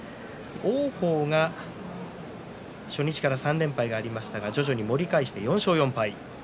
王鵬が初日から３連敗がありましたが徐々に盛り返して４勝４敗。